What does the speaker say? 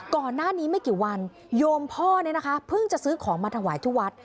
ก่อนหน้านี้ไม่กี่วันโยมพ่อเนี่ยนะคะเพิ่งจะซื้อของมาถวายที่วัด